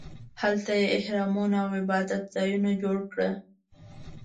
هلته یې اهرامونو او عبادت ځایونه جوړ کړل.